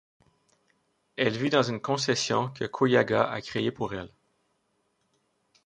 Elle vit dans une concession que Koyaga a créé pour elle.